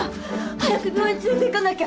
早く病院に連れていかなきゃ。